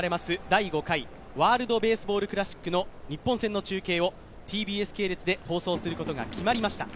第５回ワールドベースボールクラシックの日本戦の中継をＴＢＳ系列で放送することが決まりました。